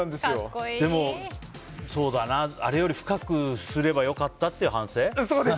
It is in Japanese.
でも、あれより深くすれば良かったっていう反省？